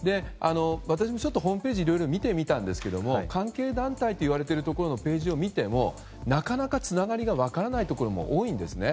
私もホームページをいろいろ見てみたんですが関係団体といわれているところのページを見てもなかなかつながりが分からないところも多いんですね。